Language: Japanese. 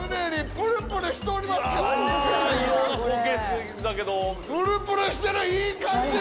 プルプルしてるいい感じに！